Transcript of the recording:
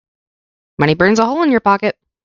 Money burns a hole in your pocket.